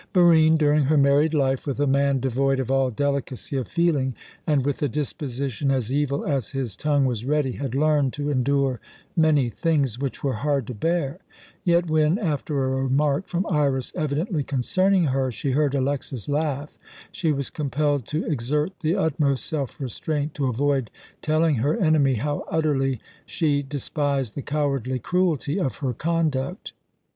Barine, during her married life with a man devoid of all delicacy of feeling, and with a disposition as evil as his tongue was ready, had learned to endure many things which were hard to bear; yet when, after a remark from Iras evidently concerning her, she heard Alexas laugh, she was compelled to exert the utmost self restraint to avoid telling her enemy how utterly she despised the cowardly cruelty of her conduct.